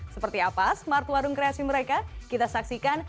seperti apa smart warung kreasi mereka kita saksikan